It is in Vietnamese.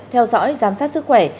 theo dõi giám sát sức khỏe